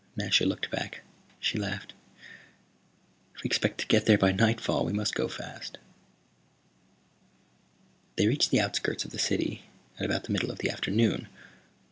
Nasha looked back. She laughed. "If we expect to get there by nightfall we must go fast." They reached the outskirts of the city at about the middle of the afternoon.